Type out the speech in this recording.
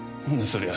そりゃ。